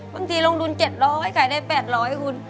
บางทีลงทุน๗๐๐ขายได้๘๐๐หุ้น